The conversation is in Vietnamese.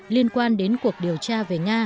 liên quan đến cuộc điều tra về nga